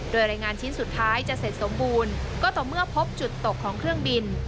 โดยรายงานชิ้นสุดท้ายจะเสร็จสมบูรณ์ก็ต่อเมื่อพบจุดตกของเครื่องบิน